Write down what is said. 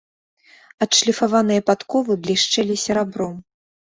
Адшліфаваныя падковы блішчэлі серабром.